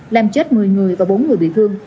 làm chết một mươi người và bốn người bị thương